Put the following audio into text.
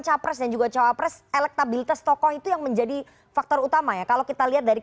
capres dan juga cawapres elektabilitas tokoh itu yang menjadi faktor utama ya kalau kita lihat dari